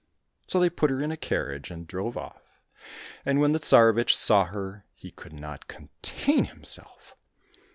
So they put her in a carriage and drove off, and when the Tsarevich saw her, he could not contain him self.